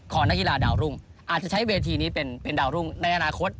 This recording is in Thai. นักกีฬาดาวรุ่งอาจจะใช้เวทีนี้เป็นดาวรุ่งในอนาคต